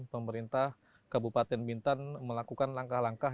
pemerintah kabupaten bintan melakukan langkah langkah